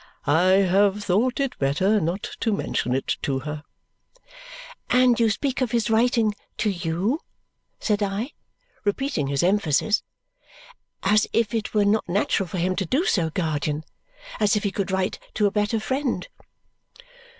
"I have thought it better not to mention it to her." "And you speak of his writing to YOU," said I, repeating his emphasis. "As if it were not natural for him to do so, guardian; as if he could write to a better friend!"